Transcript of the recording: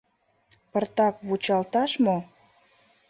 Пыртак вучалташ мо?..